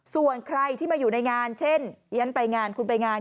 ส่วนใครที่มาอยู่ในงานเช่นดิฉันไปงานคุณไปงาน